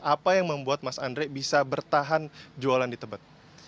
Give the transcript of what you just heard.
apa yang membuat mas andre bisa bertahan jualan di tebet